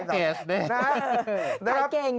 รับเป็นแพ็คเกส